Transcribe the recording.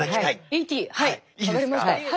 Ｅ．Ｔ．はい分かりました。